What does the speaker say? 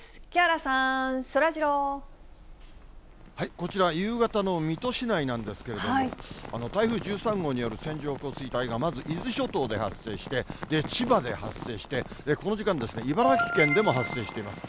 こちら、夕方の水戸市内なんですけども、台風１３号による線状降水帯が、まず伊豆諸島で発生して、千葉で発生して、この時間ですね、茨城県でも発生しています。